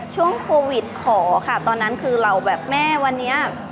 ช่วงโควิดขอค่ะตอนนั้นคือเราแบบแม่วันนี้